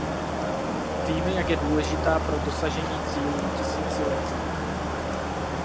Víme, jak je důležitá pro dosažení cílů tisíciletí.